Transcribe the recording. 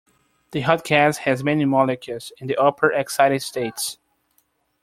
The hot gas has many molecules in the upper excited states.